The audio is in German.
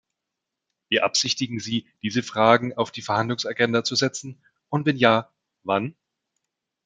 Beabsichtigen Sie, diese Fragen auf die Verhandlungsagenda zu setzen, und wenn ja, wann?